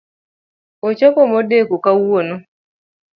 Ochopo modeko kawuono